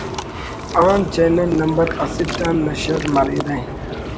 آن channel number اسٹ آن نشر مریرہ